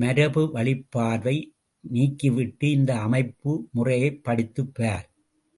மரபு வழிப்பார்வையை நீக்கிவிட்டு இந்த அமைப்பு முறையைப் படித்துப் பார்!